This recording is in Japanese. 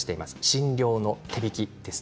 診療の手引きです。